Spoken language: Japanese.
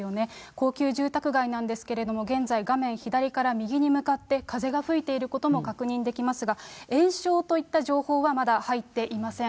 高級住宅街なんですけれども、現在、画面左から右に向かって風が吹いていることも確認できますが、延焼といった情報はまだ入っていません。